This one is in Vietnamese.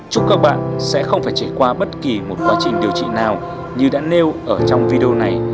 chúc các bạn sẽ không phải trải qua bất kỳ một quá trình điều trị nào như đã nêu ở trong video này